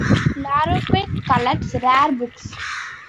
Larroquette collects rare books.